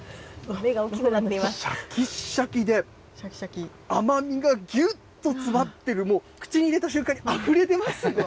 しゃきっしゃきで、甘みがぎゅっと詰まってる、もう、口に入れた瞬間にあふれ出ますね。